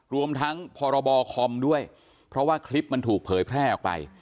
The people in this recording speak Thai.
รวมทั้งพรบคอมด้วยเพราะว่าคลิปมันถูกเผยแพร่ออกไป